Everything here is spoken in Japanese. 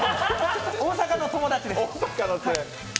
大阪の友達です。